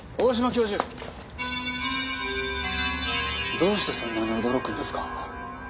どうしてそんなに驚くんですか？